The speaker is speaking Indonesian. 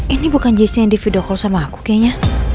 ini bukan jisnya yang di video call sama aku kayaknya